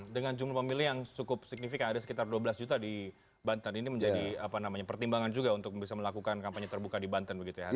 dengan jumlah pemilih yang cukup signifikan ada sekitar dua belas juta di banten ini menjadi pertimbangan juga untuk bisa melakukan kampanye terbuka di banten begitu ya